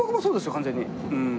完全に。